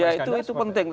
ya itu penting